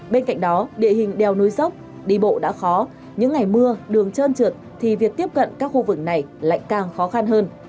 bên cạnh đó địa hình đèo núi dốc đi bộ đã khó những ngày mưa đường trơn trượt thì việc tiếp cận các khu vực này lại càng khó khăn hơn